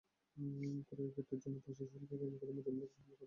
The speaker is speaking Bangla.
কুরিয়ার গেটের অন্য পাশে শুল্ক কর্মকর্তা মোজাম্মেলের ওপর হামলা করেন ফখরুল।